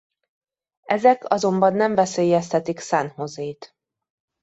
Ezek azonban nem veszélyeztetik San Josét.